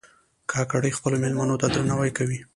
کاکړي خپلو مېلمنو ته درناوی کوي.